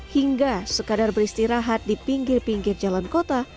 hingga sekadar beristirahat di pinggir pinggir jalan kota